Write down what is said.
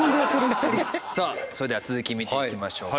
さあそれでは続き見ていきましょう。